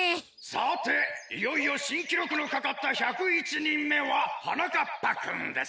さていよいよしんきろくのかかった１０１にんめははなかっぱくんです。